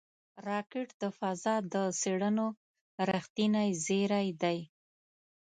راکټ د فضا د څېړنو رېښتینی زېری دی